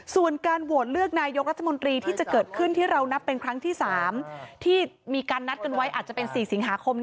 ส่วนการโหวตนายโจรสระมนตรี่ที่จะเกิดครั้งที่สามที่มีการนัดก่อนวัยอาจจะเป็นสี่สิงหาคม